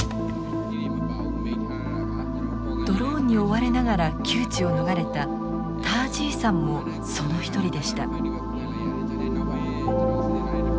ドローンに追われながら窮地を逃れたター・ジーさんもその一人でした。